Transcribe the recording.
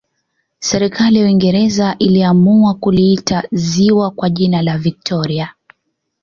serikali ya uingereza iliamua kuliita ziwa kwa jina la victoria